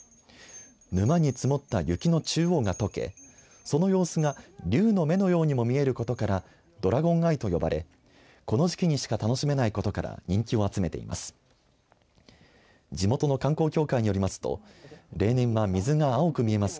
沼に積もった雪の中央がとけその様子が龍の眼のようにも見えることからドラゴンアイと呼ばれこの時期にしか楽しめないことから人気を集めています。